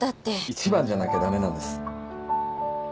一番じゃなきゃ駄目なんです。